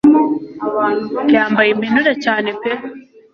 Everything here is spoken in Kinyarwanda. yambaye impenure cyane pe